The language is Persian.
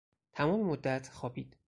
تمام مدت خوابید.